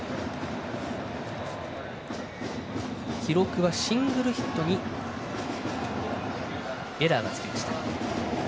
記録はシングルヒットにエラーがつきました。